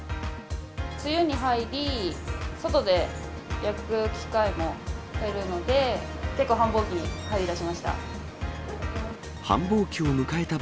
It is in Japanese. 梅雨に入り、外で焼く機会も減るので、結構、繁忙期に入りだしました。